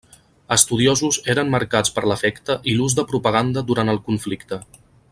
Estudiosos eren marcats per l'efecte i l'ús de propaganda durant el conflicte.